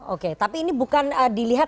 oke tapi ini bukan dilihat